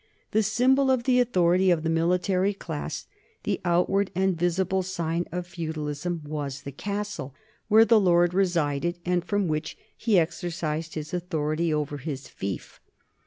The symbol of the authority of the military class, the outward and visible sign of feudalism, was the castle, where the lord resided and from which he exercised his NORMAN LIFE AND CULTURE 151 authority over his fief.